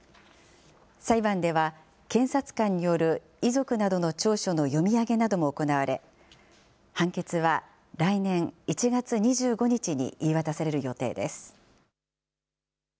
裁判では検察官による遺族などの調書の読み上げなども行われ、判決は来年１月２５日に言い渡される予定です。